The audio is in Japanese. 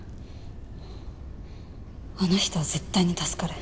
あの人は絶対に助かる。